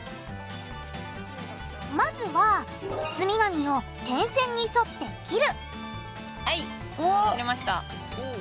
まずは包み紙を点線に沿って切るはい切れました。